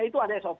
itu ada sop